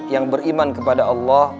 yang beriman kepada allah